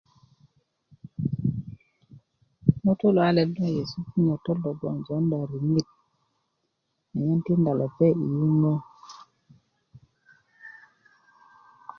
ŋutu luwalet lo nyesu kinyötöt lo jounda mugun na lepeŋ i yuŋö